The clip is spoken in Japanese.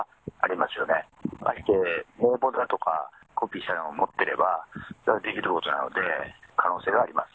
まして名簿だとか、コピーしたのを持ってれば、できることなので、可能性はあります。